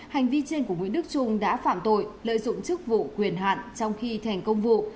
hành vi trên của nguyễn đức trung đã phạm tội lợi dụng chức vụ quyền hạn trong khi thành công vụ